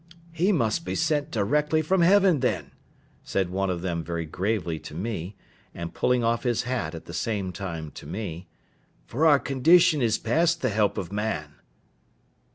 "He must be sent directly from heaven then," said one of them very gravely to me, and pulling off his hat at the same time to me; "for our condition is past the help of man."